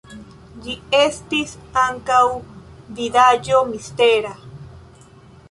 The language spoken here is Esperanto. Ĝi estis ankaŭ vidaĵo mistera.